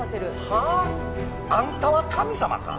はあ？あんたは神様か。